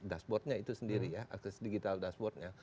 dashboardnya itu sendiri ya akses digitalnya